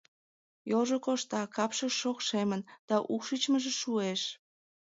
Йолжо коршта, капше шокшемын да укшичмыже шуэш.